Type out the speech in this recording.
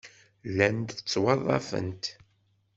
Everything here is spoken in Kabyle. Llant ttwaḍḍafent.